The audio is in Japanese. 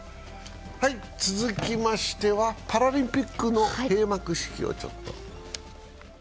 続いてパラリンピックの閉幕式をちょっと。